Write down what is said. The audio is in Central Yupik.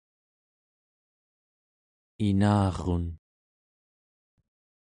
inarun